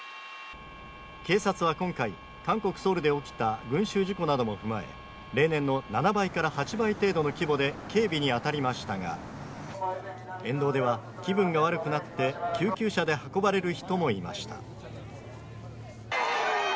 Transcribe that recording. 警察は今回、韓国ソウルで起きた群集事故なども踏まえ、例年の７倍から８倍程度の規模で警備に当たりましたが、沿道では、気分が悪くなって救急車で運ばれる人もいました。